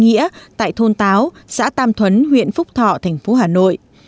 nghĩa tại thôn táo xã tam thuấn huyện phúc thọ thành phố hà nội